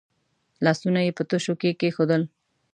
لاسونه یې په تشو کې کېښودل.